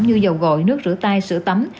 như dầu gội nước rửa tay sữa tắm